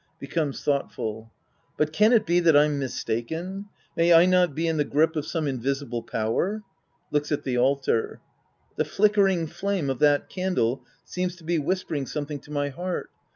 Becomes thought ful^ But can it be that I'm mistaken ? May I not be in the grip of some invisible power ? {Looks at the altar.) The flickering flame of that candle seems to be whispering something to my heart.